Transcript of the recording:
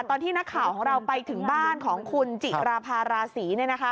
ตอนที่นักข่าวของเราไปถึงบ้านของคุณจิราภาราศี